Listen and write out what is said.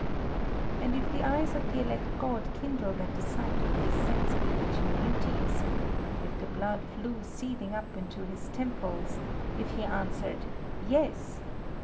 And if the eyes of the elect god kindled at the sight of these sense bewitching beauties; if the blood flew seething up into his temples; if he answered "Yes!"